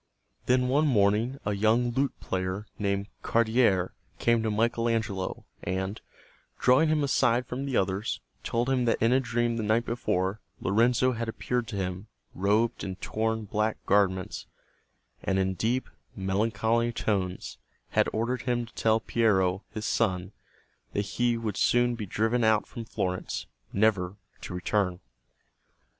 Then one morning a young lute player named Cardiere came to Michael Angelo and, drawing him aside from the others, told him that in a dream the night before, Lorenzo had appeared to him, robed in torn black garments, and in deep, melancholy tones had ordered him to tell Piero, his son, that he would soon be driven out from Florence, never to return.